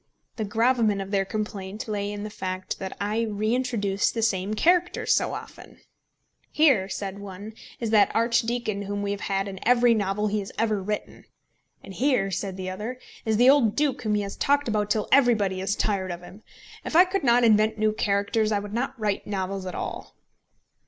The gravamen of their complaint lay in the fact that I reintroduced the same characters so often! "Here," said one, "is that archdeacon whom we have had in every novel he has ever written." "And here," said the other, "is the old duke whom he has talked about till everybody is tired of him. If I could not invent new characters, I would not write novels at all."